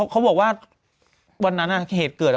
เขาบอกว่าวันนั้นเหตุเกิด